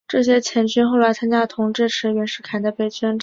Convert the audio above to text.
这些黔军后来参加了同支持袁世凯的北军的战争。